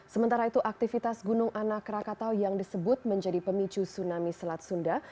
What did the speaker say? sementara itu aktivitas gunung anak rakatau yang disebut menjadi pemicu tsunami selat sunda